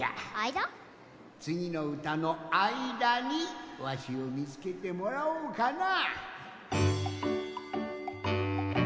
つぎのうたのあいだにわしをみつけてもらおうかな！